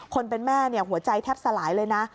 คนเป็นแม่หัวใจแทบสลายเลยนะ